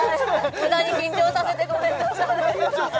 無駄に緊張させてごめんなさい